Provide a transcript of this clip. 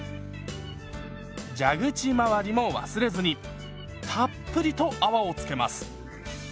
蛇口回りも忘れずにたっぷりと泡をつけます。